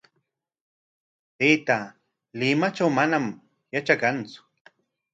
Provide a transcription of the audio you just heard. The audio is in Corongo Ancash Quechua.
Taytaa Limatraw manam yatrakantsu.